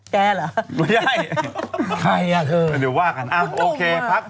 แกร่ะไม่ได้ใครอ่ะเธอนี่เดี๋ยวว่ากันอ้าวโอเคพักก่อน